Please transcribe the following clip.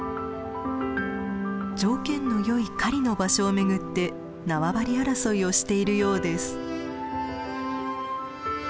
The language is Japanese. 条件のよい狩りの場所を巡って縄張り争いをしているようです。